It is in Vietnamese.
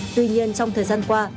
tuy nhiên trong thời gian qua